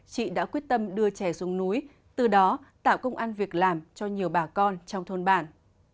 chị đã quyết tâm đưa trẻ xuống núi từ đó tạo công an việc làm cho nhiều bà con trong thôn bản